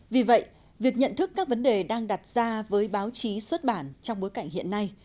vì vậy việc nhận thức các vấn đề đang đặt ra với báo chí xuất bản trong bối cảnh hiện nay